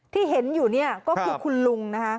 ที่เห็นอยู่เนี่ยก็คือคุณลุงนะคะ